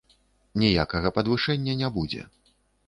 Ніякага падвышэння не будзе.